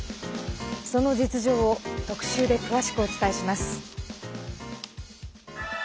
その実情を特集で詳しくお伝えします。